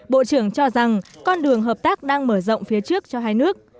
bộ trưởng cho rằng con đường hợp tác đang mở rộng phía trước cho hai nước